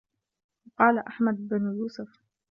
وَقَالَ أَحْمَدُ بْنُ يُوسُفَ